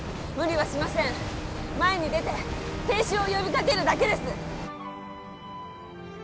無理はしません前に出て停止を呼びかけるだけです